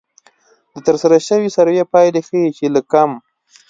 د ترسره شوې سروې پایلې ښيي چې له کم